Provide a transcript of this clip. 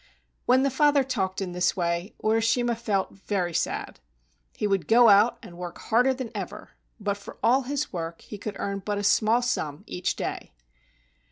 When the father talked in this way, Urishima felt very sad. He would go out and work harder than ever, but for all his work he could earn but a small sum each day.